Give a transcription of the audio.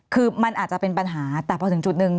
คือมันอาจจะเป็นปัญหาแต่พอถึงจุดหนึ่ง